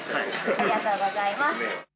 ありがとうございます。